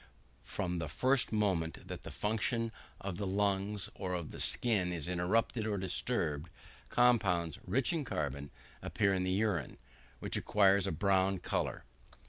From the first moment that the function of the lungs or of the skin is interrupted or disturbed, compounds, rich in carbon, appear in the urine, which acquires a brown colour.